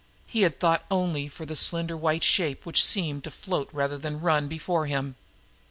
He had thought only for the slender white shape which seemed to float rather than run before him.